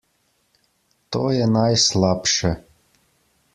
To je najslabše.